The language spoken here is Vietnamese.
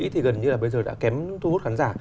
thì gần như là bây giờ đã kém thu hút khán giả